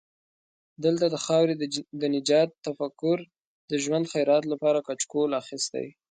دلته د خاورې د نجات تفکر د ژوند خیرات لپاره کچکول اخستی.